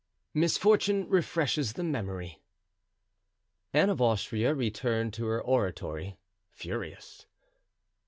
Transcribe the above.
Misfortune refreshes the Memory. Anne of Austria returned to her oratory, furious.